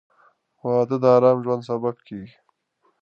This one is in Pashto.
• واده د ارام ژوند سبب کېږي.